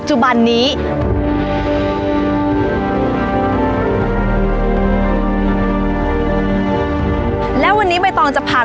คุณผู้ชมอยู่กับดิฉันใบตองราชนุกูลที่จังหวัดสงคลาค่ะ